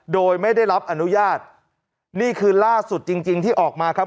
โดยไม่ได้รับอนุญาตนี่คือล่าสุดจริงจริงที่ออกมาครับ